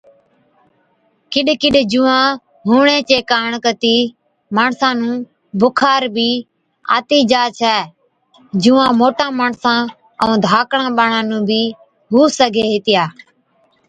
ڪِڏ ڪِڏ جُوئان هُوَڻي چي ڪاڻ ڪتِي ماڻسان نُون بُخار بِي آتِي جا ڇَي، جُوئان موٽان ماڻسان ائُون ڌاڪڙان ٻاڙان نُون بِي هُو سِگھي هِتِيا۔